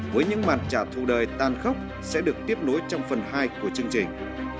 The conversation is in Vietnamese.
với những mặt trả thù đời tan khóc sẽ được tiếp nối trong phần hai của chương trình